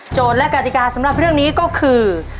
และกติกาสำหรับเรื่องนี้ก็คือ